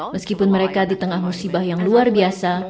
meskipun mereka di tengah musibah yang luar biasa